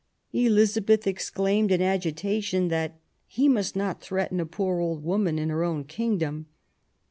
Elizabeth exclaimed in agitation that '' he must not threaten a poor old woman in her own kingdom.